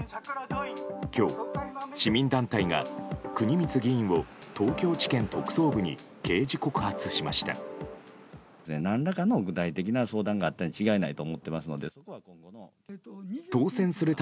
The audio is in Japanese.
今日、市民団体が国光議員を東京地検特捜部に刑事告発しました。